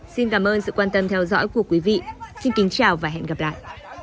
xin cảm ơn sự quan tâm theo dõi của quý vị xin kính chào và hẹn gặp lại